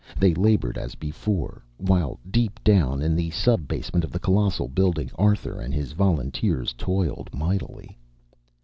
They labored as before, while deep down in the sub basement of the colossal building Arthur and his volunteers toiled mightily.